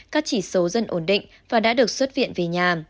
các chỉ số dân ổn định và đã được xuất viện về nhà